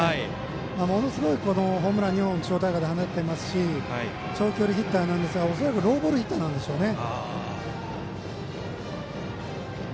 ものすごいホームラン２本地方大会では放っていますし長距離ヒッターですが恐らくローボールヒッターなんでしょうね。